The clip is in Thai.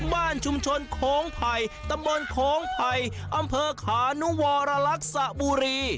บ้านชุมชนโคงไพรตะเบินโคงไพรอำเภอขานุวรลักษณ์สบูรี